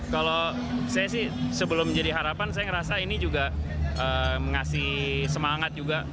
kalau saya sih sebelum menjadi harapan saya ngerasa ini juga mengasih semangat juga